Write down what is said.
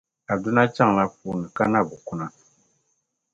Aduna chaŋla puuni ka na bi kuna.